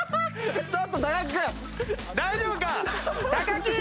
大丈夫か⁉木！